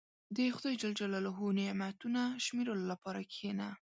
• د خدای نعمتونه شمیرلو لپاره کښېنه.